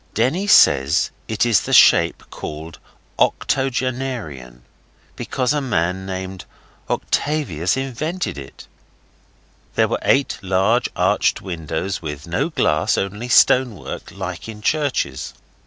Denny says it is the shape called octogenarian; because a man named Octagius invented it. There were eight large arched windows with no glass, only stone work, like in churches.